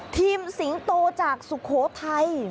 สิงโตจากสุโขทัย